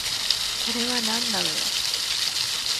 これはなんなのよ